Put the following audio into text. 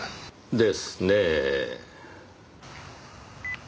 ですねぇ。